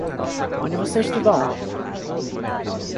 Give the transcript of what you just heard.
Onde você estudou?